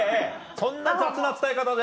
そんな雑な伝え方で。